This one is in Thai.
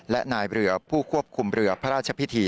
และนายเรือผู้ควบคุมเรือพระราชพิธี